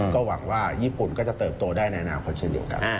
ก็หวังว่าญี่ปุ่นก็จะเติบโตได้ในอนาคตเช่นเดียวกัน